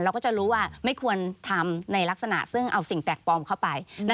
ก็จะรู้ว่าไม่ควรทำในลักษณะซึ่งเอาสิ่งแปลกปลอมเข้าไป